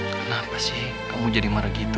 kenapa sih kamu jadi marah gitu